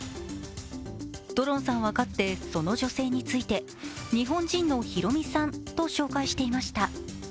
ドロンさんはかつてその女性について日本人のヒロミさんと紹介していました。